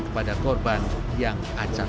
kepada korban yang acak